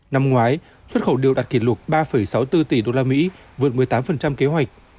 năm ngoái xuất khẩu điều đạt kỷ lục ba sáu mươi bốn tỷ usd vượt một mươi tám kế hoạch